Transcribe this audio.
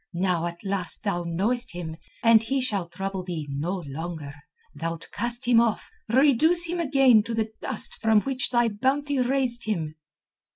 Now at last thou knowest him, and he shall trouble thee no longer. Thou'lt cast him off, reduce him again to the dust from which thy bounty raised him."